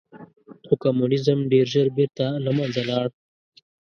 خو کمونیزم ډېر ژر بېرته له منځه لاړ.